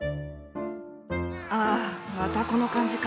ああまたこの感じか。